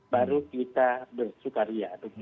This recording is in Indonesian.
baru kita bersukaria